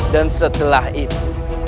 dan setelah itu